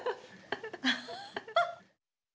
アハハッ。